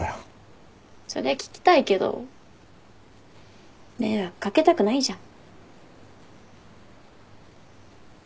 そりゃ聞きたいけど迷惑掛けたくないじゃん。